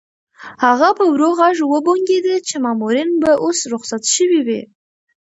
هغه په ورو غږ وبونګېده چې مامورین به اوس رخصت شوي وي.